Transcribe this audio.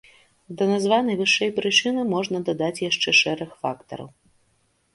Да названай вышэй прычыны можна дадаць яшчэ шэраг фактараў.